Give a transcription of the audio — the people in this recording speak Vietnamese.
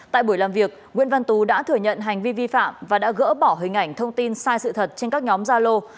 tại buổi làm việc nguyễn văn tú đã thừa nhận hành vi vi phạm và đã gỡ bỏ hình ảnh thông tin sai sự thật trên các nhóm gia lô